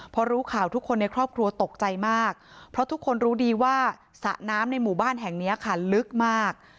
พอรู้ข่าวทุกคนในครอบครัวตกใจมากเพราะทุกคนรู้ดีว่าสระน้ำในหมู่บ้านแห่งนี้ค่ะลึกมาก